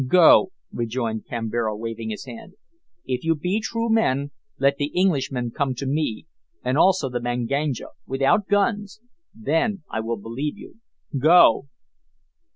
"Go," rejoined Kambira, waving his hand; "if you be true men let the Englishmen come to me, and also the Manganja, without guns, then I will believe you. Go."